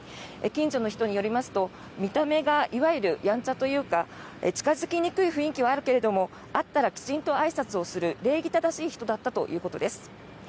近所の人によりますと、見た目がいわゆるやんちゃというか近付きにくい雰囲気はあるけど会ったらきちんとあいさつをする礼儀正しい人だったということです。